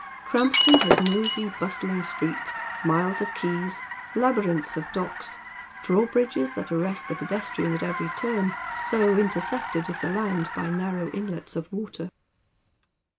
Krampston has noisy, bustling streets, miles of quays, labyrinths of docks, drawbridges that aiTest the pedestrian at every turn, so intersected is the land by narrow inlets of water.